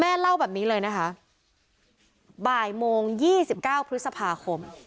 แม่เล่าแบบนี้เลยนะคะบ่ายโมงยี่สิบเก้าพฤษภาคม